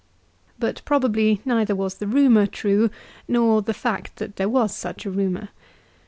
But probably neither was the rumour true, nor the fact that there was such a rumour.